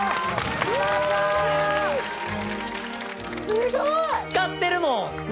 すごい！光ってるもん！